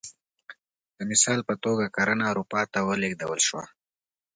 د مثال په توګه کرنه اروپا ته ولېږدول شوه